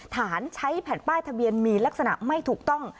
ฐานใช้แผ่นป้ายทะเบียนมีลักษณะไม่ถูกต้อง